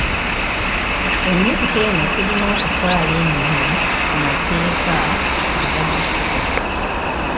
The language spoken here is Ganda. Ennyukuta eno tulina okufaayo ennyo ku mateeka agagifuga.